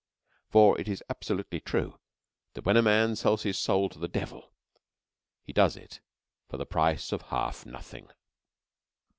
(For it is absolutely true that when a man sells his soul to the devil he does it for the price of half nothing.)